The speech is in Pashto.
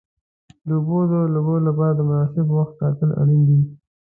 د اوبو د لګولو لپاره د مناسب وخت ټاکل اړین دي.